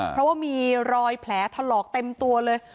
เพราะว่ามีรอยแผลถลอกเต็มตัวเลย